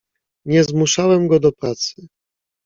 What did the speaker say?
"Nie zmuszałem go do pracy..."